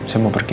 saya mau pergi